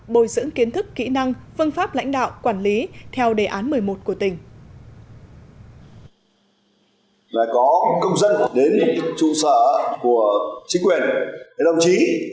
bồi dưỡng kiến thức kỹ năng phương pháp lãnh đạo quản lý theo đề án một mươi một của tỉnh